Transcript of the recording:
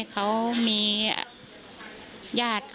พุ่งเข้ามาแล้วกับแม่แค่สองคน